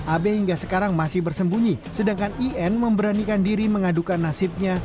ab hingga sekarang masih bersembunyi sedangkan in memberanikan diri mengadukan nasibnya